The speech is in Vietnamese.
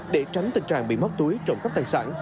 để tránh tình trạng bị móc túi trọng cấp tài sản